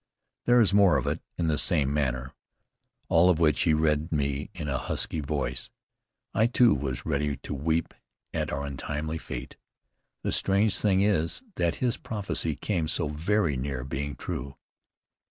There is more of it, in the same manner, all of which he read me in a husky voice. I, too, was ready to weep at our untimely fate. The strange thing is that his prophecy came so very near being true.